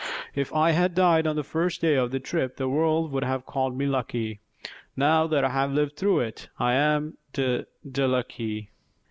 If I had died on the first day of the trip the world would have called me lucky; now that I lived through it, I'm d d lucky!